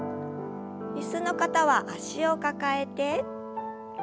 椅子の方は脚を抱えて。